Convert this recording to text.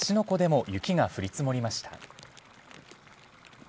湖でも雪が降り積もりました。